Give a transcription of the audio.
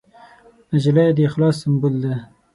نجلۍ د اخلاص سمبول ده.